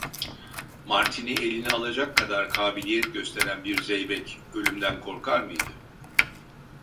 Martini eline alacak kadar kabiliyet gösteren bir zeybek ölümden korkar mıydı?